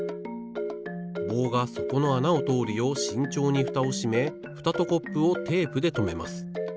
棒がそこのあなをとおるようしんちょうにフタをしめフタとコップをテープでとめます。